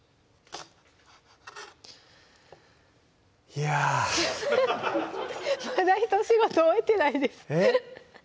いやぁまだひと仕事終えてないですえっ？